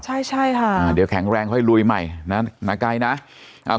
ใช่ใช่ค่ะอ่าเดี๋ยวแข็งแรงค่อยลุยใหม่นะหนาไกลนะอ่า